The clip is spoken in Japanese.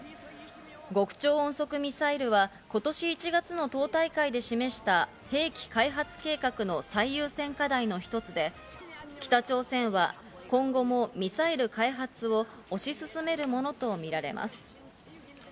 極超音速ミサイルは今年１月の党大会で示した兵器開発計画の最優先課題の一つで、北朝鮮は今後もミサイル開発を推し進めるものとみられます。